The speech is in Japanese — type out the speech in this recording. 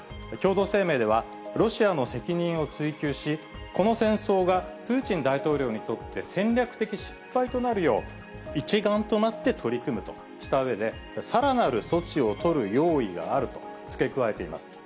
共同声明では、ロシアの責任を追及し、この戦争がプーチン大統領にとって戦略的失敗となるよう、一丸となって取り組むとしたうえで、さらなる措置を取る用意があると付け加えています。